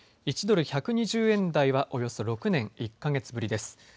１ドル１２０円台はおよそ６年１か月ぶりです。